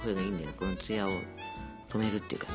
このツヤを止めるっていうかさ。